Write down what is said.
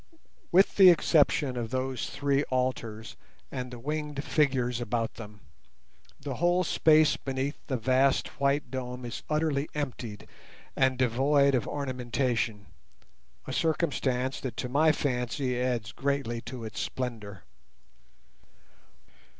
With the exception of those three altars and the winged figures about them, the whole space beneath the vast white dome is utterly empty and devoid of ornamentation—a circumstance that to my fancy adds greatly to its splendour.